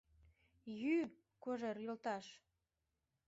Йӱ, Кожер йолташ!